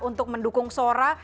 untuk mendukung sora